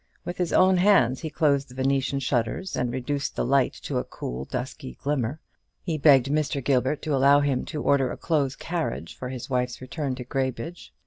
With his own hands he closed the Venetian shutters, and reduced the light to a cool dusky glimmer. He begged Mr. Gilbert to allow him to order a close carriage for his wife's return to Graybridge.